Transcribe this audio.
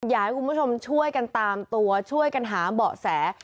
อยากให้คุณผู้ชมช่วยกันตามตัวช่วยกันหาเบาะแส